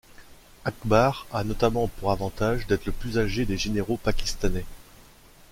Akbar a notamment pour avantage d'être le plus âgé des généraux pakistanais.